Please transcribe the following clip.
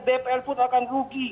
dpr pun akan rugi